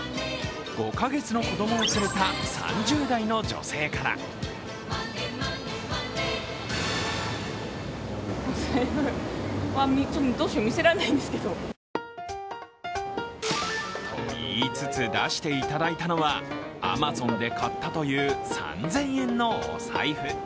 ５か月の子供を連れた３０代の女性から。と言いつつ出していただいたのはアマゾンで買ったという３０００円のお財布。